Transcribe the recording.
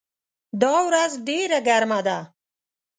دا ورځ ډېره ګرمه ده.